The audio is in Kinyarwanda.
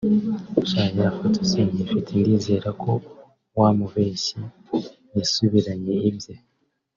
sha ya foto sinkiyifite ndizera ko wa mubeshyi yasubiranye ibye